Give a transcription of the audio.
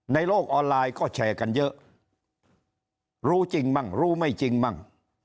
ในโลกออนไลน์ก็แชร์กันเยอะรู้จริงมั่งรู้ไม่จริงมั่ง